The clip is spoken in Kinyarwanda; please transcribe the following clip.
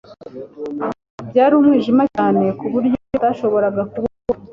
Byari umwijima cyane ku buryo batashoboraga kubona.